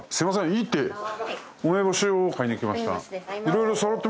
いいって。